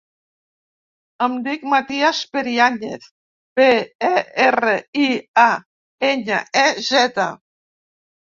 Em dic Matías Periañez: pe, e, erra, i, a, enya, e, zeta.